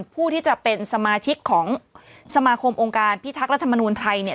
ผู้ที่จะเป็นสมาชิกของสมาคมองค์การพิทักษ์รัฐมนูลไทยเนี่ย